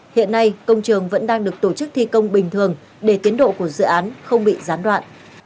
hiện nay công trường vẫn đang được tổ chức thi công bình thường để tiến độ của dự án không bị gián đoạn